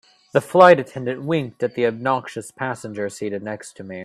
The flight attendant winked at the obnoxious passenger seated next to me.